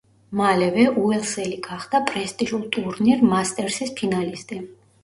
მალევე უელსელი გახდა პრესტიჟულ ტურნირ მასტერსის ფინალისტი.